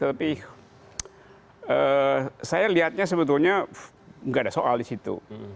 tapi saya lihatnya sebetulnya nggak ada soal di situ